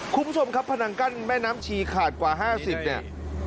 คุณผู้ชมครับพนังกั้นแม่น้ำชีขาดกว่า๕๐เนี่ย